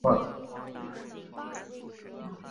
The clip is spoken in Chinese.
雷佛奴尔又名利凡诺。